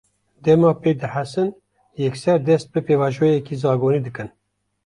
Dema pê dihesin, yekser dest bi pêvajoyeke zagonî dikin